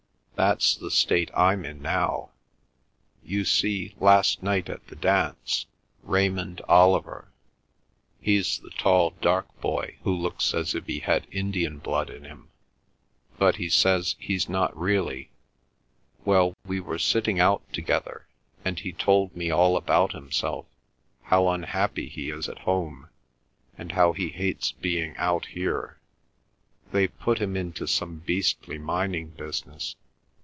That's the state I'm in now. You see, last night at the dance Raymond Oliver,—he's the tall dark boy who looks as if he had Indian blood in him, but he says he's not really,—well, we were sitting out together, and he told me all about himself, how unhappy he is at home, and how he hates being out here. They've put him into some beastly mining business.